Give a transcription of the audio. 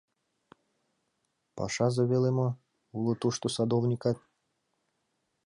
Пашазе веле мо, уло тушто садовникат.